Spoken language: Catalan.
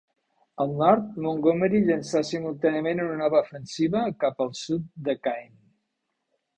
Al nord, Montgomery llançà simultàniament una nova ofensiva cap al sud de Caen.